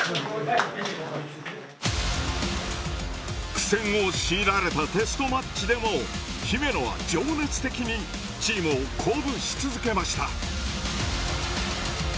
苦戦を強いられたテストマッチでも姫野は情熱的にチームを鼓舞し続けました。